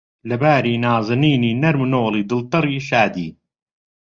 لەباری، نازەنینی، نەرم و نۆڵی، دڵتەڕی، شادی